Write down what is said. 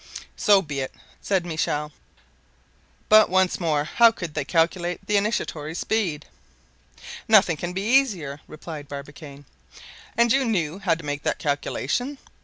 "So be it," said Michel; "but, once more; how could they calculate the initiatory speed?" "Nothing can be easier," replied Barbicane. "And you knew how to make that calculation?"